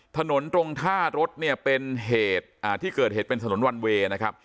ถนนตรงท่ารถเนี่ยเป็นเหตุที่เกิดเหตุเป็นถนนวันเวย์นะครับ